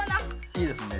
いいですね。